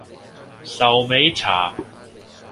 壽眉茶